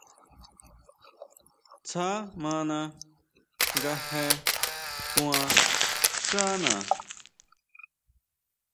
Tsja mana nga je kuan xána.